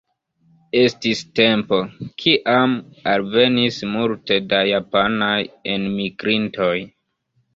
Estis tempo, kiam alvenis multe da japanaj enmigrintoj.